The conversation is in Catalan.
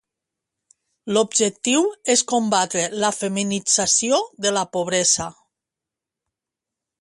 L'objectiu és combatre la feminització de la pobresa.